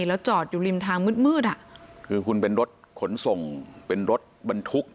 แล้วจอดอยู่ริมทางมืดมืดอ่ะคือคุณเป็นรถขนส่งเป็นรถบรรทุก